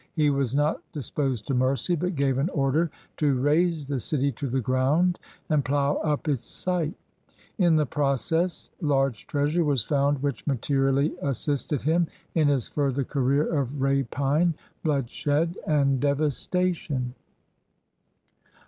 He was not disposed to mercy, but gave an order to raze the city to the ground and plough up its site. In the process large treasure was found which materially assisted him in his further career of rapine, bloodshed, and devastation.